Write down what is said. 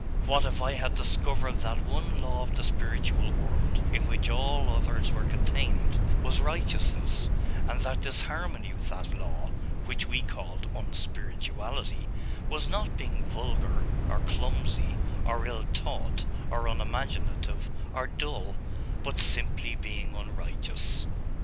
What if I had discovered that one law of the spiritual world, in which all others were contained, was righteousness; and that disharmony with that law, which we called unspirituality, was not being vulgar, or clumsy, or ill taught, or unimaginative, or dull, but simply being unrighteous?